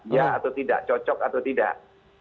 ya atau tidak cocok atau tidak